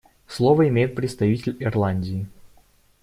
Слово имеет представитель Ирландии.